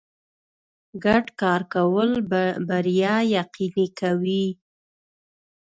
ګډ کار کول بریا یقیني کوي.